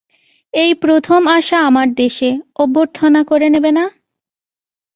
এই প্রথম আসা আমার দেশে, অভ্যর্থনা করে নেবে না?